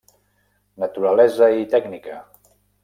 Naturalesa i tècnica.